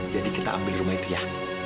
jadi kita ambil rumah itu ya